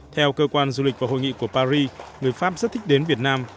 theo cơ quan du lịch và hội nghị của paris người pháp rất thích đến việt nam